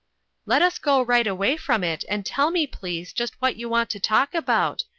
" Let us go right away from it, and tell me, please, just what you want to talk about.